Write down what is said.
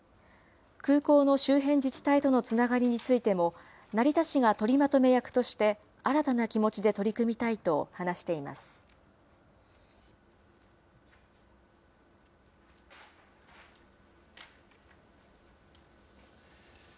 空港の周辺自治体とのつながりについても、成田市が取りまとめ役として、新たな気持ちで取り組みたいと話しています。